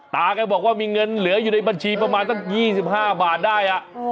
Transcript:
แกบอกว่ามีเงินเหลืออยู่ในบัญชีประมาณสัก๒๕บาทได้